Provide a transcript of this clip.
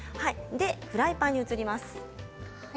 フライパンに移ります。